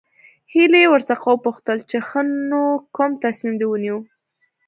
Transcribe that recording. هيلې ورڅخه وپوښتل چې ښه نو کوم تصميم دې ونيو.